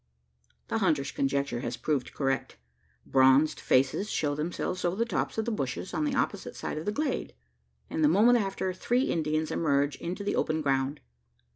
The hunter's conjecture has proved correct. Bronzed faces show themselves over the tops of the bushes on the opposite edge of the glade; and, the moment after, three Indians emerge into the open ground.